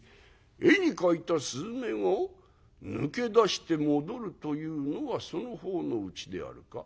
「絵に描いた雀が抜け出して戻るというのはその方のうちであるか？」。